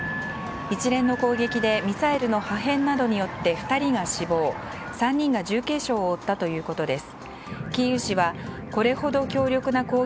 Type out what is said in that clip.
一連の攻撃でミサイルの破片などによって２人が死亡、３人が重軽傷を負ったということです。